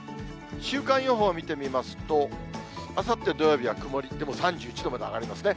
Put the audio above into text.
週間予報見てみますと、あさって土曜日は曇り、でも３１度まで上がりますね。